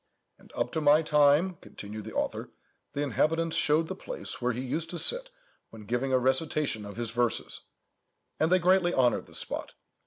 "And up to my time," continued the author, "the inhabitants showed the place where he used to sit when giving a recitation of his verses, and they greatly honoured the spot.